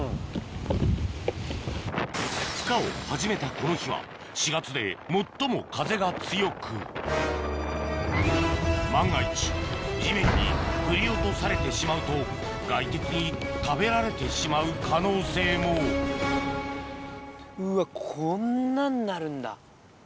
孵化を始めたこの日は４月で最も風が強く万が一地面に振り落とされてしまうと外敵に食べられてしまう可能性もうわこんなんなるんだ。